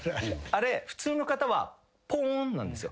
あれ普通の方はポーンなんですよ。